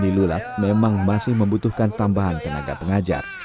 sdk nilulat memang masih membutuhkan tambahan tenaga pengajar